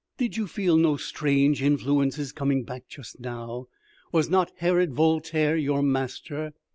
"Did you feel no strange influences coming back just now? Was not Herod Voltaire your master?"